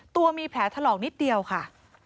ตัวมีแผลถลอกนิดเดียวค่ะ